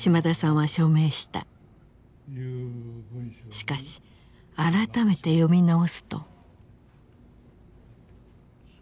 しかし改めて読み直すと。